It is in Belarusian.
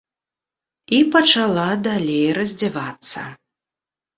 І пачала далей раздзявацца.